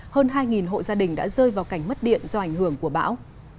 hơn hai hộ gia đình đã rơi vào cảnh mất điện do ảnh hưởng của bão